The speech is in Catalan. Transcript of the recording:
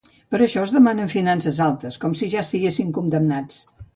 Per això ens demanen fiances altes, com si ja estiguéssim condemnats.